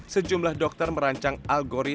sejumlah dokter merancang aplikasi